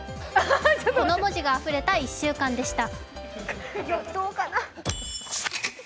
この文字があふれた１週間でした。